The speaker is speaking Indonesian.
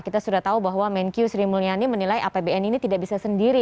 kita sudah tahu bahwa menkyu sri mulyani menilai apbn ini tidak bisa sendiri